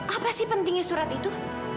apa sih pentingnya surat itu